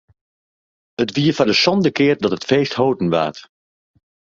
It wie foar de sânde kear dat it feest hâlden waard.